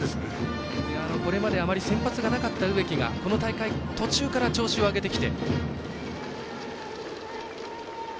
これまで、あまり先発がなかった植木がこの大会途中から調子を上げてきて。